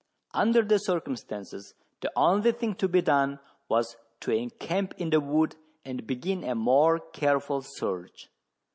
Under the circumstances, the only thing to be done was to encamp in the wood, and begin a more careful search.